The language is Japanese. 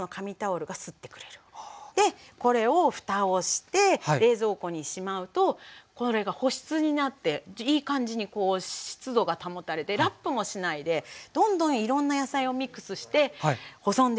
でこれをふたをして冷蔵庫にしまうとこれが保湿になっていい感じに湿度が保たれてラップもしないでどんどんいろんな野菜をミックスして保存できるんです。